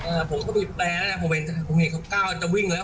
ผมก็บีบแปรแล้วนะผมเห็นผมเห็นเขาก้าวจะวิ่งแล้ว